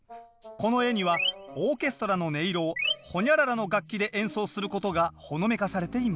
この絵にはオーケストラの音色を？の楽器で演奏することがほのめかされていました。